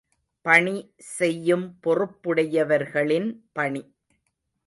பணி செய்யும் பொறுப்புடையவர்களின் பணி.